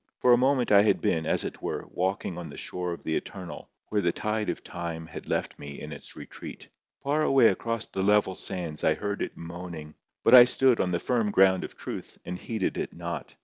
For a moment I had been, as it were, walking on the shore of the Eternal, where the tide of time had left me in its retreat. Far away across the level sands I heard it moaning, but I stood on the firm ground of truth, and heeded it not.